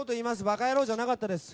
バカヤローじゃなかったです。